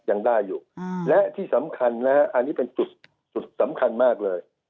ยังได้อยู่และที่สำคัญนะฮะอันนี้เป็นจุดสำคัญมากเลย